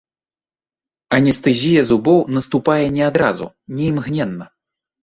Анестэзія зубоў наступае не адразу, не імгненна.